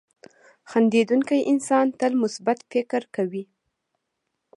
• خندېدونکی انسان تل مثبت فکر کوي.